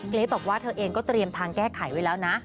บอกว่าเธอเองก็เตรียมทางแก้ไขไว้แล้วนะ